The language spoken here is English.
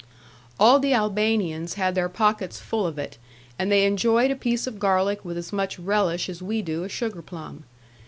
All the Albanians had their pockets full of it, and they enjoyed a piece of garlic with as much relish as we do a sugar plum.